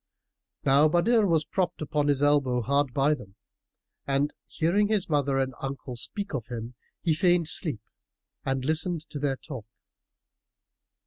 Now Badr was propped upon his elbow hard by them; and, hearing his mother and uncle speak of him, he feigned sleep and listened to their talk.